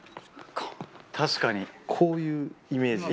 確かに、こういうイメージです。